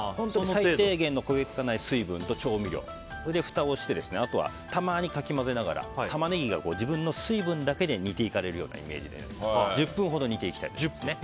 最低限の焦げ付かない水分と調味料で、ふたをしてあとは、たまにかき混ぜながらタマネギが自分の水分だけで煮ていかれるイメージで１０分ほど煮ていきます。